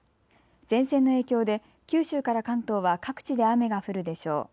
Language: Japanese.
前線の影響で九州から関東は各地で雨が降るでしょう。